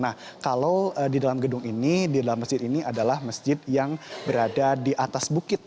nah kalau di dalam gedung ini di dalam masjid ini adalah masjid yang berada di atas bukit